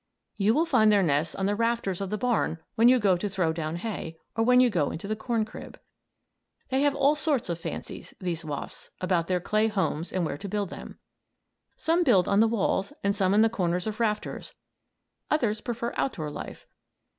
You will find their nests on the rafters of the barn when you go to throw down hay, or when you go into the corn crib. They have all sorts of fancies these wasps about their clay homes and where to build them. Some build on the walls and some in the corners of rafters, others prefer outdoor life.